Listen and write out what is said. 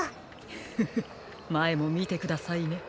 フフフまえもみてくださいね。